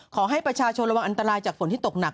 ขอให้ประชาชนระวังอันตรายจากฝนที่ตกหนัก